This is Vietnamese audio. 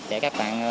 để các bạn